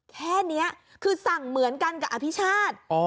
แค่นี้คือสั่งเหมือนกันกับอภิชาติ